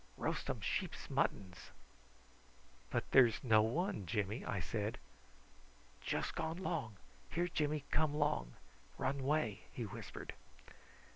Roastum sheep's muttons." "But there is no one, Jimmy," I said. "Jus' gone long. Hear Jimmy come long. Run away," he whispered.